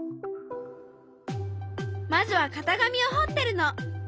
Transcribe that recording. まずは型紙をほってるの。